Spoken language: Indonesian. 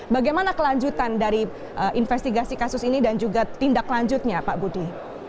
bagaimana kelanjutan dari investigasi kasus ini dan juga tindak lanjutnya pak budi